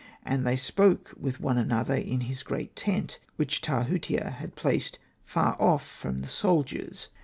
And they spoke with one another in his great tent, which Tahutia had placed far off from the soldiers.